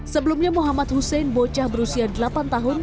sebelumnya muhammad hussein bocah berusia delapan tahun